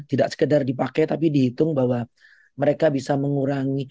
tidak sekedar dipakai tapi dihitung bahwa mereka bisa mengurangi